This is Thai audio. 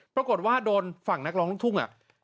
ปรากฏว่าโดนฝั่งนักร้องลูกทุ่ง